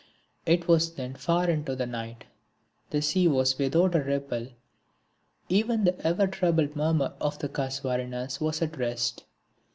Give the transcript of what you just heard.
It was then far into the night, the sea was without a ripple, even the ever troubled murmur of the casuarinas was at rest.